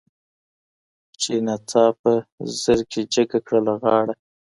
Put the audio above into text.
چي ناڅاپه زرکي جګه کړله غاړه